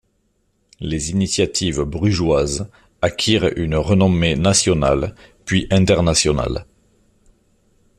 Les initiatives brugeoises acquirent une renommée nationale, puis internationale.